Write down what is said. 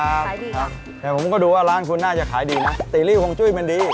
ครับครับเดี๋ยวผมก็ดูว่าร้านคุณน่าจะขายดีนะสีรีโฮงจุ้ยมันดี